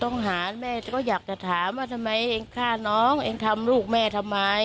หาแม่ก็อยากจะถามว่าทำไมเองฆ่าน้องเองทำลูกแม่ทำไม